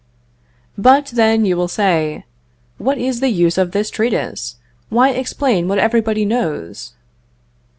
But, then, you will say, "What is the use of this treatise? Why explain what everybody knows?"